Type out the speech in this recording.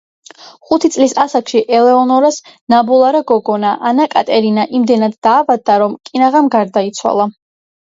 ხუთი წლის ასაკში ელეონორას ნაბოლარა გოგონა ანა კატერინა იმდენად დაავადდა, რომ კინაღამ გარდაიცვალა.